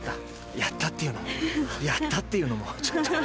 「やった」っていうのも「やった」っていうのもちょっと。